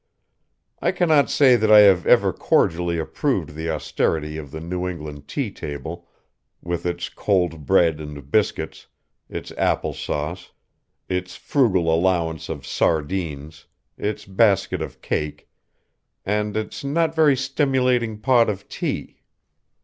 I cannot say that I have ever cordially approved the austerity of the New England tea table, with its cold bread and biscuits, its applesauce, its frugal allowance of sardines, its basket of cake, and its not very stimulating pot of tea.